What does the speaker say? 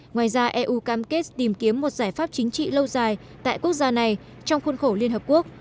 ngoài ra eu cam kết tìm kiếm một giải pháp chính trị lâu dài tại quốc gia này trong khuôn khổ liên hợp quốc